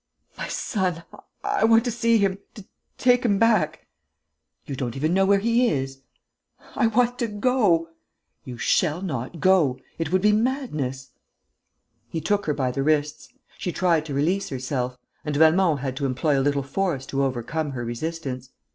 "My son.... I want to see him, to take him back...." "You don't even know where he is!" "I want to go." "You shall not go!... It would be madness...." He took her by the wrists. She tried to release herself; and Velmont had to employ a little force to overcome her resistance.